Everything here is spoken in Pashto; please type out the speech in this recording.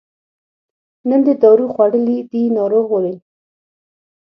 نن دې دارو خوړلي دي ناروغ وویل.